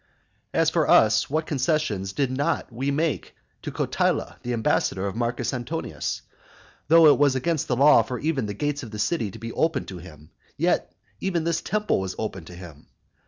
As for us, what concessions did not we make to Cotyla the ambassador of Marcus Antonius? though it was against the law for even the gates of the city to be opened to him, yet even this temple was opened to him.